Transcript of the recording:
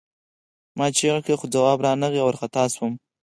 ما چیغې کړې خو ځواب را نغی او وارخطا شوم